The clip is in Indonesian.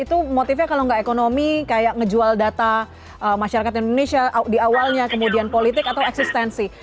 itu motifnya kalau nggak ekonomi kayak ngejual data masyarakat indonesia di awalnya kemudian politik atau eksistensi